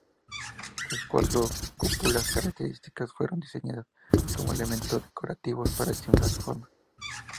Sus cuatro cúpulas características fueron diseñadas como elementos decorativos para disimular su forma.